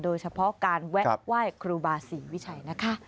โดยเฉพาะการแวะไหว้ครูบาศรีวิชัยนะคะ